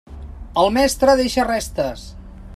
El mestre deixa restes.